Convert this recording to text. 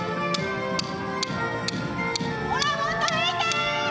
ほらもっと吹いて！